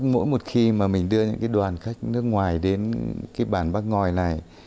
mỗi một khi mà mình đưa những đoàn khách nước ngoài đến cái bàn bát ngòi này